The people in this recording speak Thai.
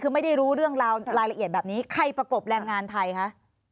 คือไม่ได้รู้เรื่องราวรายละเอียดแบบนี้ใครประกบแรงงานไทยคะ